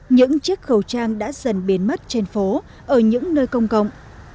những chiếc khẩu trang đã dần biến mất trên phố ở những nơi công cộng